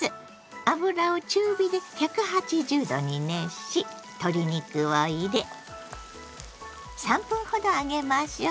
油を中火で１８０℃に熱し鶏肉を入れ３分ほど揚げましょう。